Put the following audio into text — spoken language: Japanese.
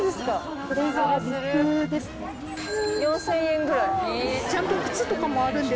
４０００円ぐらい。